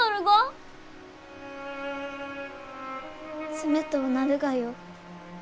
冷とうなるがよ。